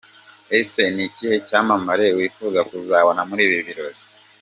Ese ni ikihe cyamamare wifuza kuzabona muri ibi birori?.